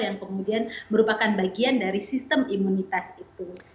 yang kemudian merupakan bagian dari sistem imunitas itu